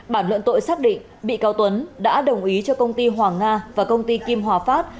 bản luận tội xác định bị cáo tuấn đã đồng ý cho công ty hoàng nga và công ty kim hòa phát